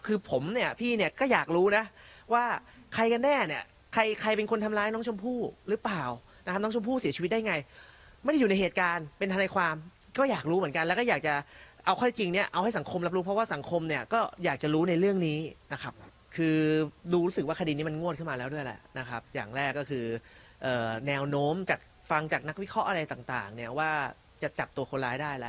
คือผมเนี่ยพี่เนี่ยก็อยากรู้นะว่าใครกันแน่เนี่ยใครเป็นคนทำร้ายน้องชมพู่หรือเปล่านะครับน้องชมพู่เสียชีวิตได้ไงไม่ได้อยู่ในเหตุการณ์เป็นธนาความก็อยากรู้เหมือนกันแล้วก็อยากจะเอาความจริงเนี่ยเอาให้สังคมรับรู้เพราะว่าสังคมเนี่ยก็อยากจะรู้ในเรื่องนี้นะครับคือรู้สึกว่าคดีนี้มันงวดขึ้นมาแล้วด